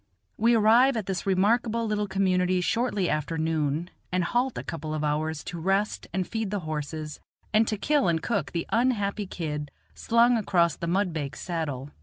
We arrive at this remarkable little community shortly after noon, and halt a couple of hours to rest and feed the horses, and to kill and cook the unhappy kid slung across the mudbake's saddle.